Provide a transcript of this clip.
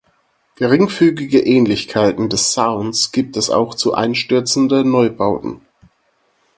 Geringfügige Ähnlichkeiten des Sounds gibt es auch zu Einstürzende Neubauten.